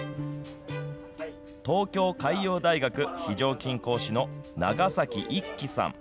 東京海洋大学非常勤講師のながさき一生さん。